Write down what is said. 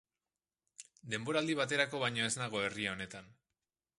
Denboraldi baterako baino ez nago herri honetan.